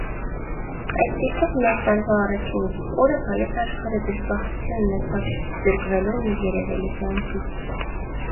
Այդպիսով Նոր տարվա առաջին իսկ օրը հայոց աշխարհը դժբախտություն ունեցավ զրկվելու մի երևելի կյանքից: